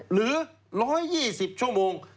หรือ๑๒๐ชั่วโมง